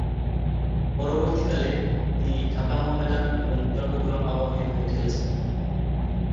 পরবর্তীকালে, তিনি ঢাকা মোহামেডান এবং চট্টগ্রাম আবাহনী হয়ে খেলেছেন।